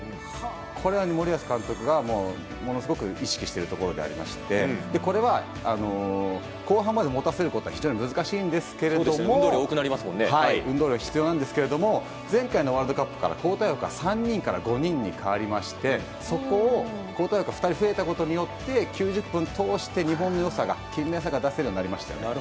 これは森保監督がものすごく意識しているところでこれは後半まで持たせることは非常に難しいんですが運動量が必要なんですけれども前回のワールドカップから交代枠が３人から５人に変わりまして交代枠が２人増えたことによって９０分通して日本の良さが勤勉さが出せるようになりました。